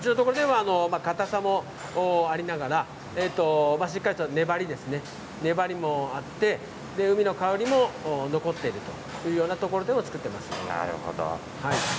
かたさもありながらしっかり粘りもあって海の香りも残っているというようなところで作っています。